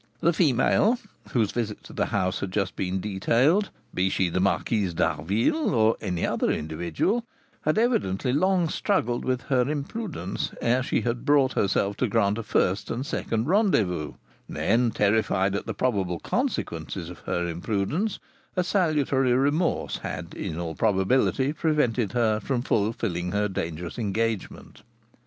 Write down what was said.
The female, whose visits to the house had just been detailed, be she the Marquise d'Harville or any other individual, had evidently long struggled with her imprudence ere she had brought herself to grant a first and second rendezvous, and then, terrified at the probable consequences of her imprudence, a salutary remorse had, in all probability, prevented her from fulfilling her dangerous engagement.